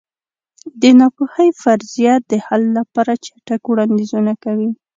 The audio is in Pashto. د ناپوهۍ فرضیه د حل لپاره چټک وړاندیزونه کوي.